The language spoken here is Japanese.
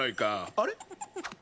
あれ？